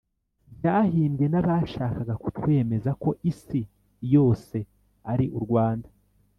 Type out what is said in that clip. byahimbwe nabashakaga kutwemeza ko isi yose ari u rwanda.